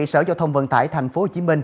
sở giao thông vận tải tp hcm